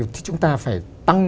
thì chúng ta phải tăng